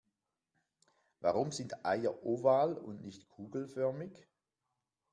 Warum sind Eier oval und nicht kugelförmig?